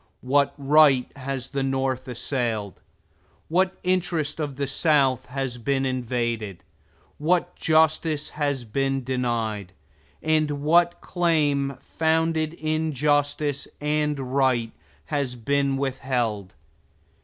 What right has the North assailed? What interest of the South has been invaded? What justice has been denied? And what claim founded in justice and right has been withheld?